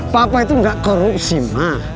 papa itu gak korupsi maaf